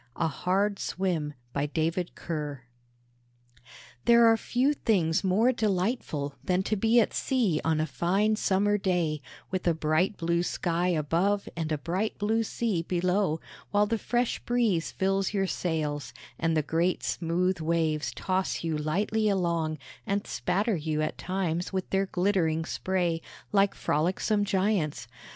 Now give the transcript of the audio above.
A HARD SWIM. BY DAVID KER. There are few things more delightful than to be at sea on a fine summer day, with a bright blue sky above and a bright blue sea below, while the fresh breeze fills your sails, and the great smooth waves toss you lightly along, and spatter you at times with their glittering spray, like frolicsome giants.